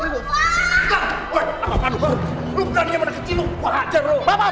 udah uang apa apaan lu lu bukan dia mana kecil lu wajar lu